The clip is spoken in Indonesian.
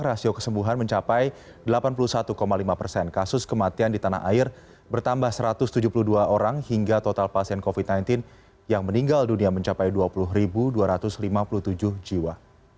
rasio kesembuhan mencapai delapan puluh satu lima persen kasus kematian di tanah air bertambah satu ratus tujuh puluh dua orang hingga total pasien covid sembilan belas yang meninggal dunia mencapai dua puluh dua ratus lima puluh tujuh jiwa